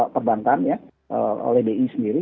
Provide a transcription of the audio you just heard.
perbankan ya oleh bi sendiri